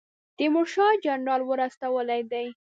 تیمورشاه جنرال ور استولی دی.